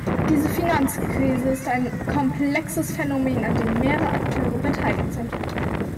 Diese Finanzkrise ist ein komplexes Phänomen, an dem mehrere Akteure beteiligt sind.